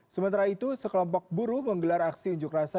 sementara itu sekelompok buruh menggelar aksi unjuk rasa